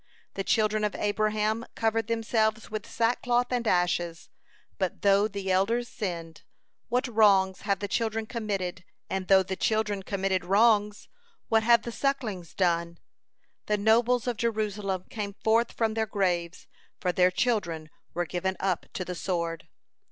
The children of Abraham covered themselves with sackcloth and ashes, but though the elders sinned, what wrongs have the children committed, and though the children committed wrongs, what have the sucklings done? The nobles of Jerusalem came forth from their graves, for their children were given up to the sword.